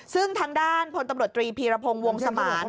ซึ่งทางด้านพลตำรวจตรีพีรพงศ์วงสมาน